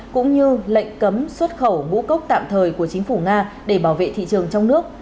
cũng như lệnh cấm xuất khẩu ngũ cốc tạm thời của chính phủ nga để bảo vệ thị trường trong nước